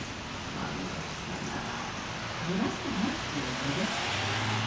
漫才したいなぁ。